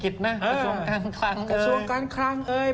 กระทรวงการคลังเอ่ย